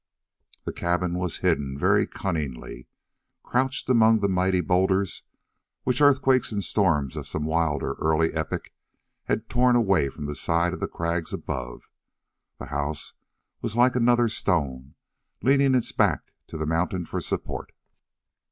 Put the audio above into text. The cabin was hidden very cunningly. Crouched among the mighty boulders which earthquakes and storms of some wilder, earlier epoch had torn away from the side of the crags above, the house was like another stone, leaning its back to the mountain for support.